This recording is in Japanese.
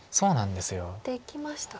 できましたか。